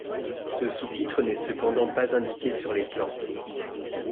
Ce sous-titre n'est cependant pas indiqué sur les plans.